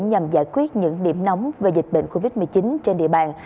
nhằm giải quyết những điểm nóng về dịch bệnh covid một mươi chín trên địa bàn